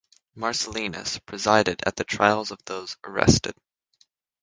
Marcellinus presided at the trials of those arrested.